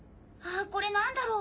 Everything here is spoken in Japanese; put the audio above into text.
これ何だろう？